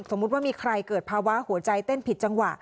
สมมุติว่ามีใครเกิดภาวะหัวใจเต้นผิดจังหวะ